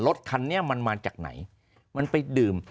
รถคันนี้มันมาจากไหนมันไปดื่ม